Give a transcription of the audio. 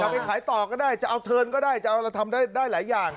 เอาไปขายต่อก็ได้จะเอาเทินก็ได้จะเอาแล้วทำได้ได้หลายอย่าง